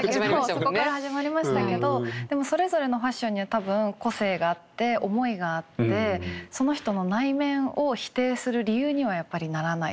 そこから始まりましたけどでもそれぞれのファッションには多分個性があって思いがあってその人の内面を否定する理由にはやっぱりならない。